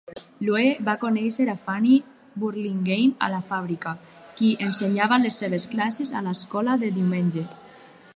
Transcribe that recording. Lue va conèixer a Fannie Burlingame a la fàbrica, qui ensenyava les seves classes a l'escola de diumenge.